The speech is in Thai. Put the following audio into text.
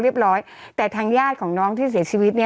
เรียบร้อยแต่ทางญาติของน้องที่